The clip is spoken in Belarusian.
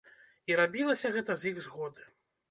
І рабілася гэта з іх згоды.